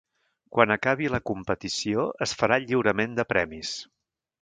Quan acabi la competició es farà el lliurament de premis.